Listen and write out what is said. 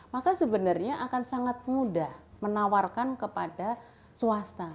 maka sebenarnya akan sangat mudah menawarkan kepada swasta